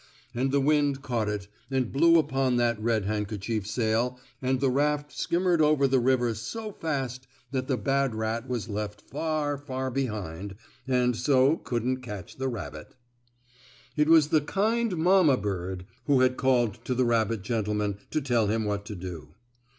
And the wind caught it, and blew upon that red handkerchief sail and the raft skimmered over the river so fast that the bad rat was left far, far behind, and so couldn't catch the rabbit. It was the kind mamma bird who had called to the rabbit gentleman to tell him what to do.